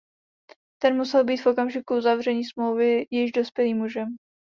Ten musel být v okamžiku uzavření smlouvy již dospělým mužem.